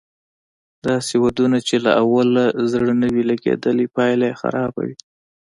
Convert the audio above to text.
داسې ودونه چې له اوله زړه نه وي لګېدلی پايله یې خرابه وي